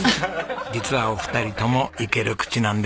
実はお二人ともいける口なんですよ。